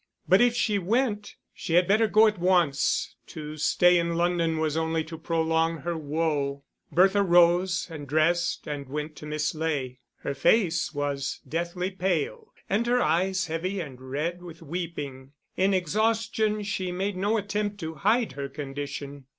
But if she went, she had better go at once; to stay in London was only to prolong her woe. Bertha rose, and dressed, and went to Miss Ley; her face was deathly pale, and her eyes heavy and red with weeping. In exhaustion she made no attempt to hide her condition.